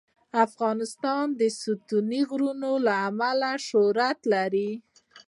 افغانستان د ستوني غرونه له امله شهرت لري.